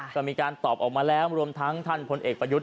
ก็มีการตอบออกมาแล้วรวมทั้งท่านพลเอกประยุทธ์